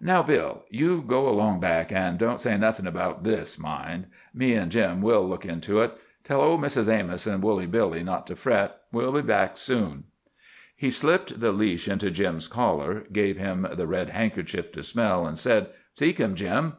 Now, Bill, you go along back, an' don't say nothin' about this, mind! Me an' Jim, we'll look into it. Tell old Mrs. Amos and Woolly Billy not to fret. We'll be back soon." He slipped the leash into Jim's collar, gave him the red handkerchief to smell, and said, "Seek him, Jim."